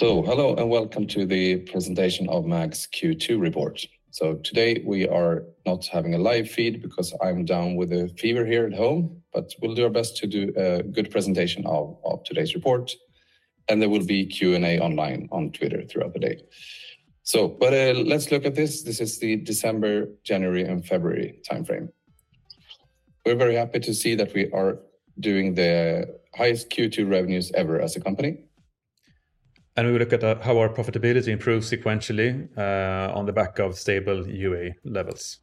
Hello and welcome to the presentation of MAG's Q2 report. Today we are not having a live feed because I'm down with a fever here at home, but we'll do our best to do a good presentation of today's report, and there will be Q&A online on Twitter throughout the day. Let's look at this. This is the December, January and February timeframe. We're very happy to see that we are doing the highest Q2 revenues ever as a company. We look at how our profitability improves sequentially on the back of stable UA levels.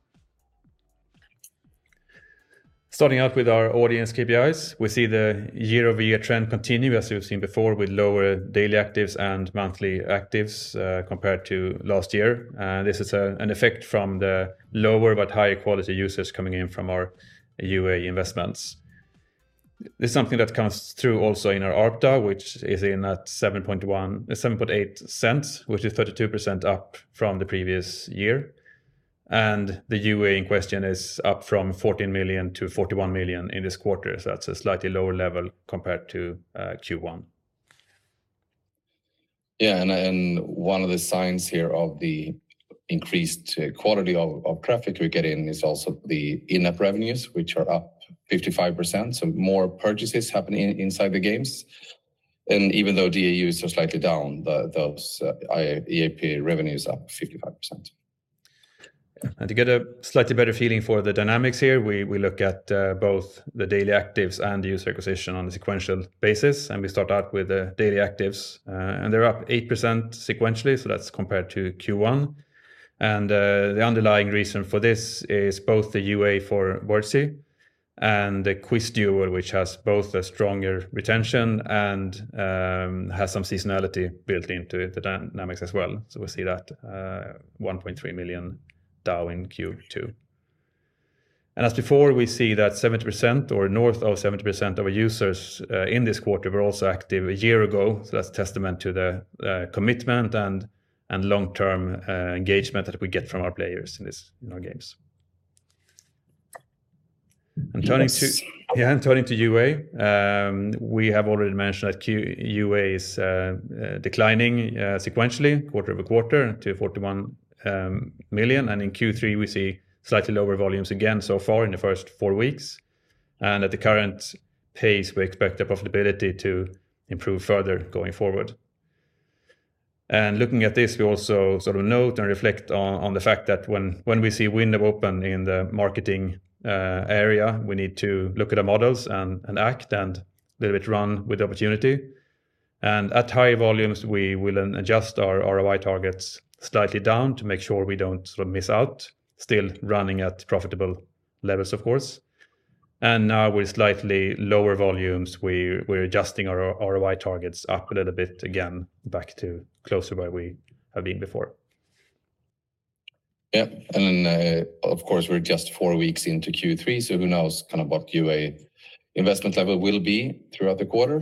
Starting out with our audience KPIs, we see the year-over-year trend continue as you've seen before with lower daily actives and monthly actives compared to last year. This is an effect from the lower but higher quality users coming in from our UA investments. This is something that comes through also in our ARPDAU, which is in at $0.078, which is 32% up from the previous year. The UA in question is up from 14 million to 41 million in this quarter. That's a slightly lower level compared to Q1. Yeah. One of the signs here of the increased quality of traffic we're getting is also the in-app revenues, which are up 55%. More purchases happening inside the games. Even though DAU is so slightly down, the, those, IAP revenue is up 55%. To get a slightly better feeling for the dynamics here, we look at both the daily actives and user acquisition on a sequential basis. We start out with the daily actives. They're up 8% sequentially, so that's compared to Q1. The underlying reason for this is both the UA for Wordzee and the QuizDuel, which has both a stronger retention and has some seasonality built into the dynamics as well. We see that 1.3 million DAU in Q2. As before, we see that 70% or north of 70% of our users in this quarter were also active a year ago. That's testament to the commitment and long-term engagement that we get from our players in our games. And turning to- Turning to UA, we have already mentioned that UA is declining sequentially quarter-over-quarter to 41 million. In Q3 we see slightly lower volumes again so far in the first four weeks. At the current pace, we expect the profitability to improve further going forward. Looking at this, we also sort of note and reflect on the fact that when we see window open in the marketing area, we need to look at our models and act and little bit run with the opportunity. At high volumes, we will then adjust our ROI targets slightly down to make sure we don't sort of miss out. Still running at profitable levels, of course. Now with slightly lower volumes, we're adjusting our ROI targets up a little bit again back to closer where we have been before. Yeah. Of course, we're just four weeks into Q3, who knows kind of what UA investment level will be throughout the quarter.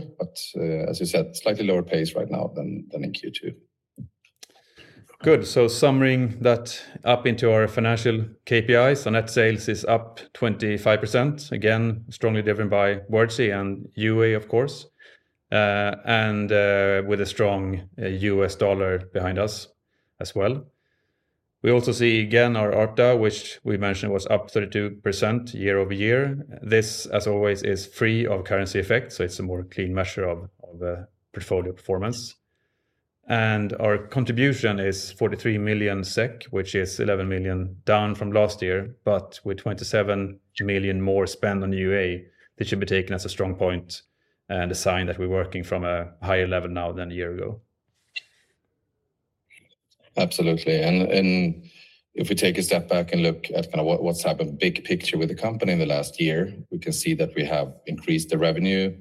As you said, slightly lower pace right now than in Q2. Good. Summarizing that up into our financial KPIs. Net sales is up 25%, again, strongly driven by Wordzee and UA, of course, with a strong U.S. dollar behind us as well. We also see again our ARPDAU, which we mentioned was up 32% year-over-year. This, as always, is free of currency effect, so it's a more clean measure of portfolio performance. Our contribution is 43 million SEK, which is 11 million down from last year, but with 27 million more spent on UA, that should be taken as a strong point and a sign that we're working from a higher level now than a year ago. Absolutely. If we take a step back and look at kind of what's happened big picture with the company in the last year, we can see that we have increased the revenue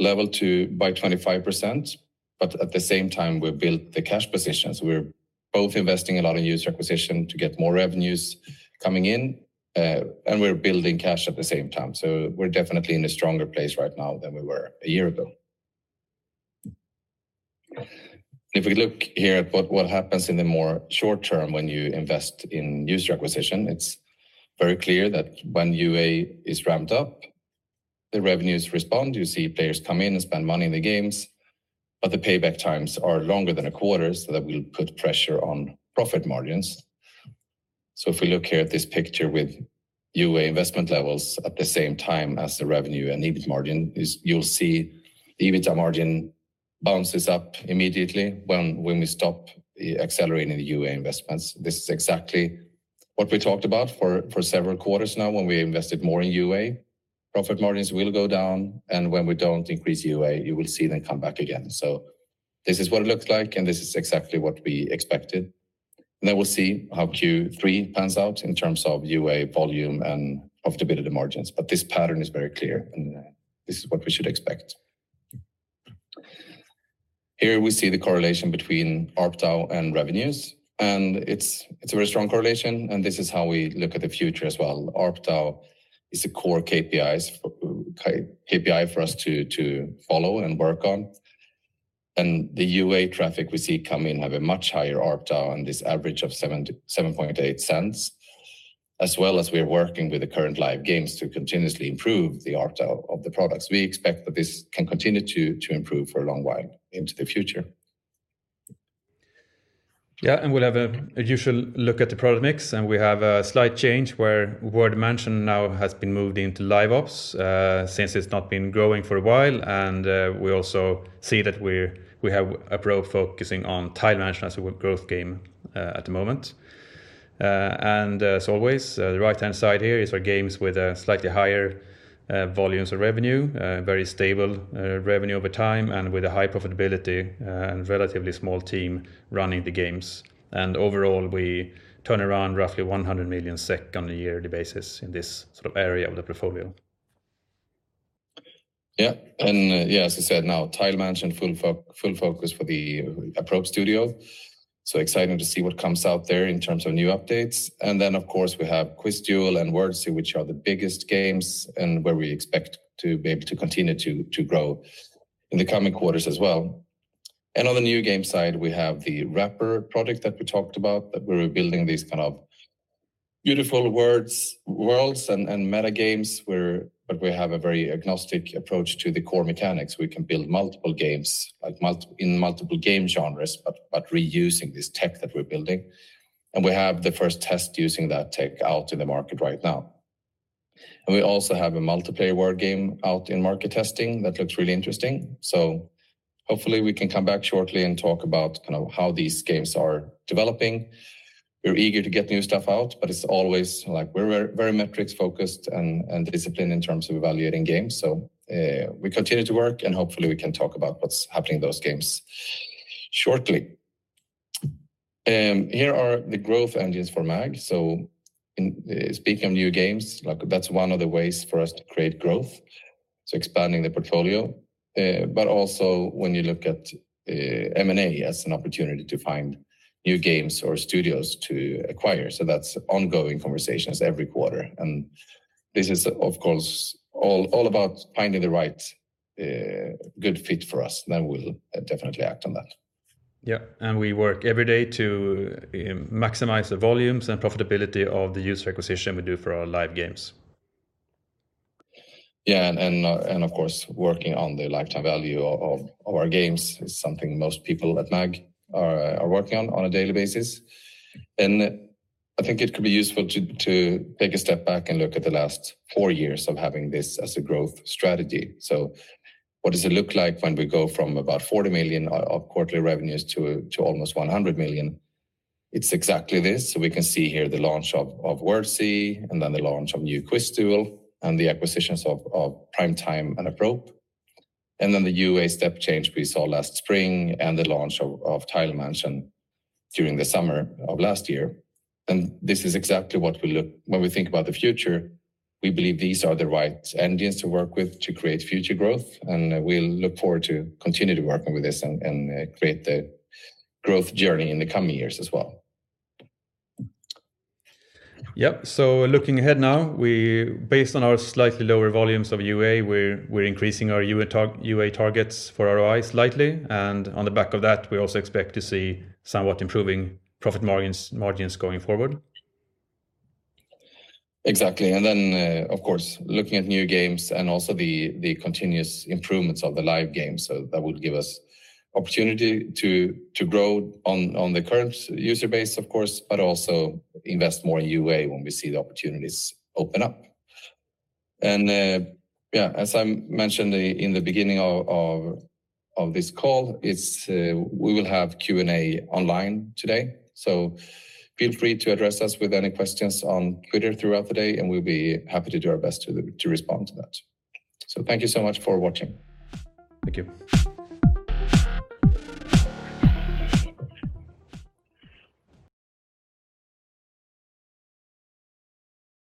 level by 25%. At the same time, we've built the cash positions. We're both investing a lot in user acquisition to get more revenues coming in, and we're building cash at the same time. We're definitely in a stronger place right now than we were a year ago. If we look here at what happens in the more short term when you invest in user acquisition, it's very clear that when UA is ramped up, the revenues respond. You see players come in and spend money in the games, but the payback times are longer than a quarter, so that will put pressure on profit margins. If we look here at this picture with UA investment levels at the same time as the revenue and EBIT margin, you'll see the EBITDA margin bounces up immediately when we stop accelerating the UA investments. This is exactly what we talked about for several quarters now when we invested more in UA. Profit margins will go down. When we don't increase UA, you will see them come back again. This is what it looks like, and this is exactly what we expected. We'll see how Q3 pans out in terms of UA volume and profitability margins, but this pattern is very clear, and this is what we should expect. Here we see the correlation between ARPDAU and revenues, and it's a very strong correlation, and this is how we look at the future as well. ARPDAU is a core KPI for us to follow and work on. The UA traffic we see come in have a much higher ARPDAU on this average of $0.078. We are working with the current live games to continuously improve the art of the products. We expect that this can continue to improve for a long while into the future. Yeah. We'll have a usual look at the product mix. We have a slight change where Word Mansion now has been moved into LiveOps since it's not been growing for a while. We also see that we have Apprope focusing on Tile Mansion as a growth game at the moment. As always, the right-hand side here is our games with a slightly higher volumes of revenue, very stable revenue over time, and with a high profitability, and relatively small team running the games. Overall, we turn around roughly 100 million SEK on a yearly basis in this sort of area of the portfolio. Yeah. Yeah, as I said now, Tile Mansion full focus for the Apprope Studio, exciting to see what comes out there in terms of new updates. Of course, we have QuizDuel and Wordzee, which are the biggest games and where we expect to be able to grow in the coming quarters as well. On the new game side, we have the Wrapper product that we talked about, that we're building these kind of beautiful worlds and meta games where we have a very agnostic approach to the core mechanics. We can build multiple games, like in multiple game genres, but reusing this tech that we're building. We have the first test using that tech out in the market right now. We also have a multiplayer word game out in market testing that looks really interesting. Hopefully we can come back shortly and talk about kind of how these games are developing. We're eager to get new stuff out, but it's always like we're very, very metrics-focused and disciplined in terms of evaluating games. We continue to work, and hopefully we can talk about what's happening in those games shortly. Here are the growth engines for MAG. In speaking of new games, like that's one of the ways for us to create growth, is expanding the portfolio. Also when you look at M&A as an opportunity to find new games or studios to acquire, so that's ongoing conversations every quarter. This is of course, all about finding the right good fit for us, then we'll definitely act on that. Yeah. We work every day to maximize the volumes and profitability of the user acquisition we do for our live games. Yeah. Of course, working on the lifetime value of our games is something most people at MAG Interactive are working on a daily basis. I think it could be useful to take a step back and look at the last four years of having this as a growth strategy. What does it look like when we go from about 40 million of quarterly revenues to almost 100 million? It's exactly this. We can see here the launch of Wordzee, the launch of New QuizDuel, and the acquisitions of Primetime and Apprope. The UA step change we saw last spring and the launch of Tile Mansion during the summer of last year. This is exactly when we think about the future, we believe these are the right engines to work with to create future growth, and we'll look forward to continue to working with this and create the growth journey in the coming years as well. Yep. Looking ahead now, Based on our slightly lower volumes of UA, we're increasing our UA targets for ROI slightly. On the back of that, we also expect to see somewhat improving profit margins going forward. Exactly. Of course, looking at new games and also the continuous improvements of the live games, that will give us opportunity to grow on the current user base of course, but also invest more in UA when we see the opportunities open up. As I mentioned in the beginning of this call, it's we will have Q&A online today, feel free to address us with any questions on Twitter throughout the day, and we'll be happy to do our best to respond to that. Thank you so much for watching. Thank you.